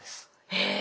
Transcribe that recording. へえ。